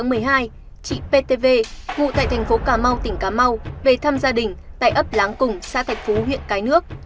ngày bốn tháng một mươi hai chị ptv ngụ tại thành phố cà mau tỉnh cà mau về thăm gia đình tại ấp láng cùng xã thạch phú huyện cái nước